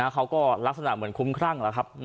ลักษณะเหมือนคุ้มครั่งแล้วครับ